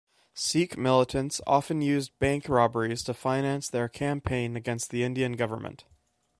Sikh militants often used bank robberies to finance their campaign against the Indian government.